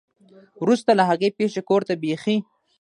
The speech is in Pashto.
ورورسته له هغې پېښې کور ته بېخي